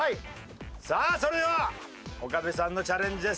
さあそれでは岡部さんのチャレンジです。